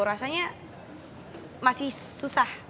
rasanya masih susah